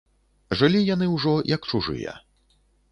Жылі яны ўжо, як чужыя.